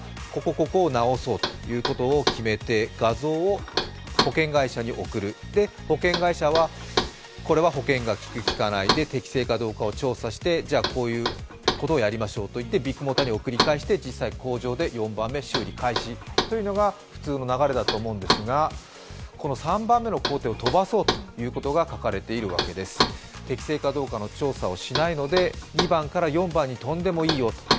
ここを直そうということを決めて画像を保険会社に送る保険会社はこれは保険がきく、きかない、適正かどうかを調査して、これをやりましょうとビッグモーターに送り返して、４番目工場で修理開始というのが普通の流れだと思うんですがこの３番目の工程を飛ばそうということが書かれているわけです適正かどうかの調査を行わないので２番から４番に飛んでもいいよと。